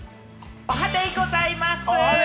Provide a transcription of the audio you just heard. おはデイございます！